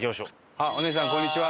お姉さんこんにちは。